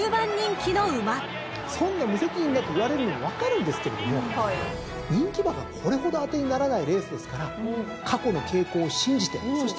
そんな無責任だと言われるのも分かるんですけれども人気馬がこれほど当てにならないレースですから過去の傾向を信じてそして未来へつなげていく。